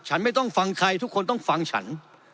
ไม่ต้องฟังใครทุกคนต้องฟังฉัน